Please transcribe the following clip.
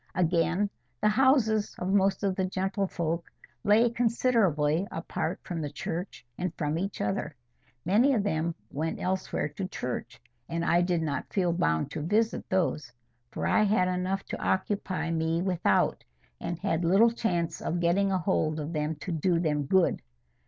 Again, the houses of most of the gentlefolk lay considerably apart from the church and from each other. Many of them went elsewhere to church, and I did not feel bound to visit those, for I had enough to occupy me without, and had little chance of getting a hold of them to do them good.